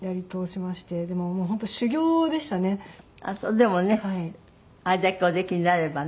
でもねあれだけおできになればね。